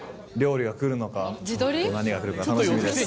ちょっと何が来るか楽しみです。